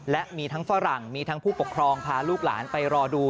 และมีทั้งฝรั่งมีทั้งผู้ปกครองพาลูกหลานไปรอดู